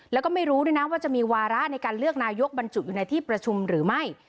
แล้วก็ไม่รู้ด้วยนะว่าจะมีวาระในการเลือกนายกบรรจุอยู่ในที่ประชุมหรือไม่